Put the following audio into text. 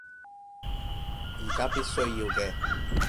而家必須要嘅